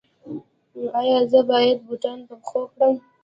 ایا زه باید بوټان په پښو کړم؟